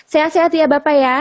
sehat sehat ya bapak ya